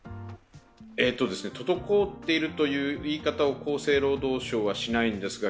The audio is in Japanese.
滞っているという言い方を厚生労働省はしないんですが